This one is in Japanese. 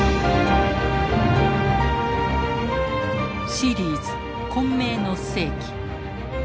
シリーズ「混迷の世紀」。